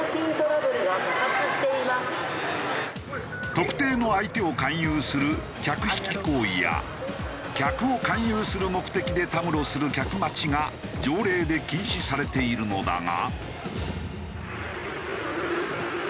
特定の相手を勧誘する客引き行為や客を勧誘する目的でたむろする客待ちが条例で禁止されているのだが。